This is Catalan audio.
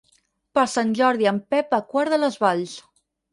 Per Sant Jordi en Pep va a Quart de les Valls.